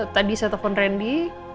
tadi saya telfon randy